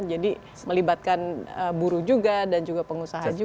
jadi melibatkan buru juga dan juga pengusaha juga